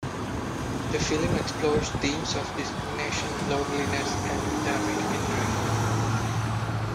The film explores themes of discrimination, loneliness, and the American Dream.